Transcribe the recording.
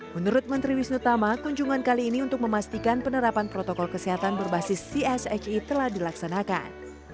menurut menteri wisnu tama kunjungan kali ini untuk memastikan penerapan protokol kesehatan berbasis cshi telah dilaksanakan